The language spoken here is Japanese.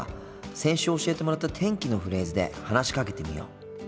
先週教えてもらった天気のフレーズで話しかけてみよう。